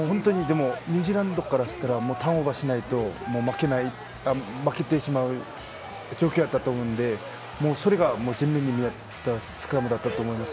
ニュージーランドからしたらターンオーバーしないと負けてしまう状況だったと思うのでそれが全面に見えたスクラムだったと思います。